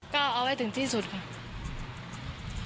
ก็เอาให้ถึงที่สุดค่ะ